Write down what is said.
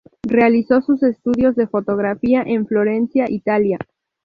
Realizó sus estudios de fotografía en Florencia, Italia.